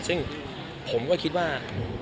ซึ่งผมก็คิดว่า